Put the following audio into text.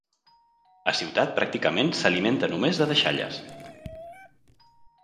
A ciutat pràcticament s'alimenta només de deixalles.